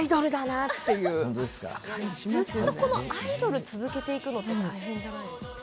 ずっとアイドル続けていくのって大変じゃないですか？